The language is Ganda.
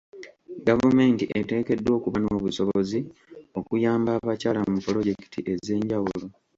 Gavumenti eteekeddwa okuba n'obusobozi okuyamba abakyala mu pulojekiti ez'enjawulo.